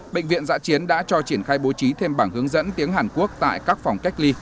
bệnh viện giã chiến đã cho triển khai bố trí thêm bảng hướng dẫn tiếng hàn quốc tại các phòng cách ly